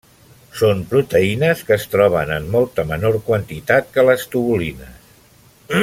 Són proteïnes que es troben en molta menor quantitat que les tubulines.